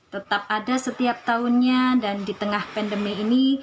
tetap ada setiap tahunnya dan di tengah pandemi ini